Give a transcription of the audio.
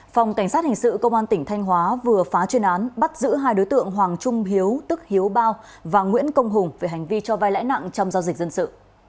phòng cảnh sát hình sự công an tỉnh thanh hóa vừa phá chuyên án bắt giữ hai đối tượng hoàng trung hiếu tức hiếu bao và nguyễn công hùng về hành vi cho vai lãi nặng trong giao dịch dân sự